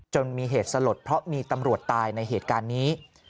มีเหตุสลดเพราะมีตำรวจตายในเหตุการณ์นี้